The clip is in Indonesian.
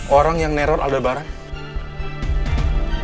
orang yang nerot alder barang